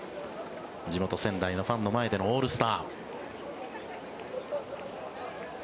地元・仙台のファンの前でのオールスター。